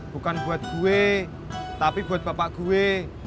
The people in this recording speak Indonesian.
bukan buat gue tapi buat bapak gue